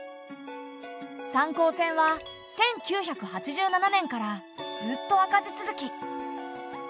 三江線は１９８７年からずっと赤字続き。